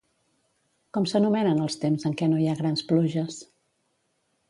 Com s'anomenen els temps en què no hi ha grans pluges?